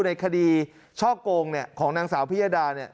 ในคดีช่อกงของนางสาวพิยดาเนี่ย